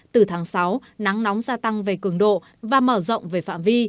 từ tháng sáu nắng nóng gia tăng về cường độ và mở rộng về phạm vi